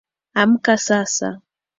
Amka sasa